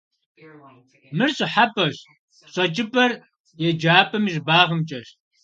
Мыр щӏыхьэпӏэщ, щӏэкӏыпӏэр еджапӏэм и щӏыбагъымкӏэщ.